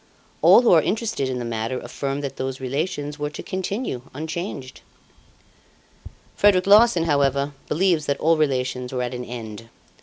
All who are interested in the matter affirm that those relations were to continue unchanged. "Frederic Larsan, however, believes that all relations were at an end.